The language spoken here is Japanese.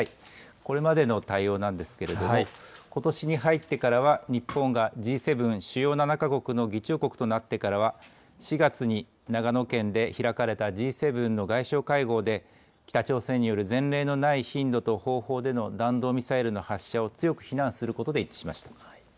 これまでの対応なんですけれども、ことしに入ってからは、日本がＧ７・主要７か国の議長国となってからは、４月に長野県で開かれたＧ７の外相会合で、北朝鮮による前例のない頻度と方法での弾道ミサイルの発射を強く非難することで一致しました。